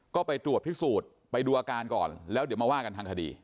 ก็ไปตรวจพิสูจน์ไปดูอาการก่อนแล้วเดี๋ยวมาว่ากันทางคดี